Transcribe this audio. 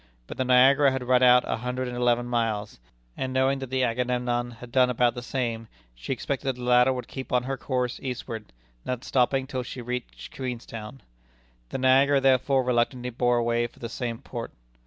But the Niagara had run out a hundred and eleven miles, and knowing that the Agamemnon had done about the same, she expected the latter would keep on her course eastward, not stopping till she reached Queenstown. The Niagara, therefore, reluctantly bore away for the same port.